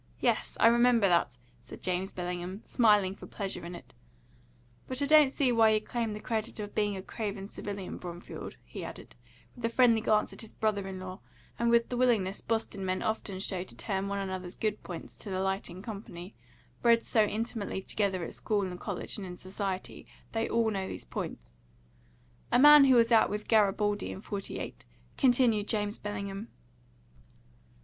'" "Yes, I remember that," said James Bellingham, smiling for pleasure in it. "But I don't see why you claim the credit of being a craven civilian, Bromfield," he added, with a friendly glance at his brother in law, and with the willingness Boston men often show to turn one another's good points to the light in company; bred so intimately together at school and college and in society, they all know these points. "A man who was out with Garibaldi in '48," continued James Bellingham.